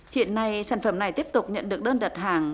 hiện nay sản phẩm này tiếp tục nhận được đơn đặt hàng